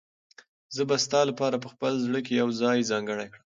زه به ستا لپاره په خپل زړه کې یو ځای ځانګړی کړم.